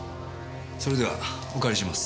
それではお借りします。